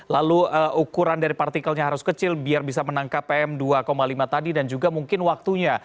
lalu ukuran dari partikelnya harus kecil biar bisa menangkap pm dua lima tadi dan juga mungkin waktunya